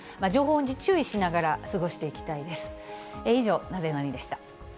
情報に注意しながら過ごしていきたいです。